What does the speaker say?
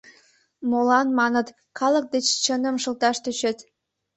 — Молан, — маныт, — калык деч чыным шылташ тӧчет.